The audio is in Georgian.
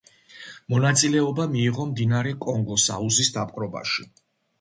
მონაწილეობა მიიღო მდინარე კონგოს აუზის დაპყრობაში.